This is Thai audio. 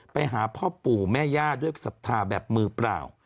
ไปหาพ่อปู่แม่ย่าด้วยศรัทธาแบบมือเปล่า